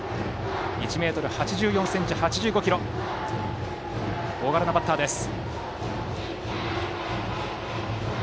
１ｍ８４ｃｍ、８５ｋｇと大柄なバッターです。